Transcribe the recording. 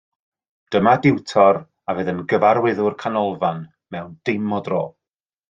Dyma diwtor a fydd yn gyfarwyddwr canolfan mewn dim o dro